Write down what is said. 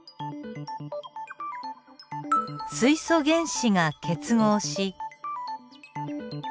水素原子が結合し。